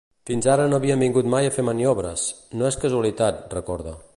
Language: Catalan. Fins ara no havien vingut mai a fer maniobres; no és casualitat, recorda.